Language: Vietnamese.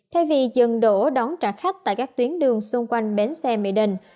thay vì dừng đổ đón trả khách tại các tuyến đường xung quanh bến xe mỹ đình